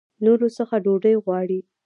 نورو څخه ډوډۍ غواړي.